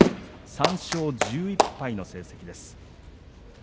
３勝１１敗の成績です。